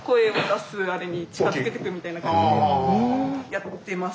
やってます。